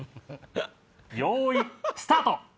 ・よいスタート！